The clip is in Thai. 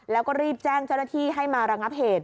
แล้วก็รีบแจ้งเจ้าหน้าที่ให้มาระงับเหตุ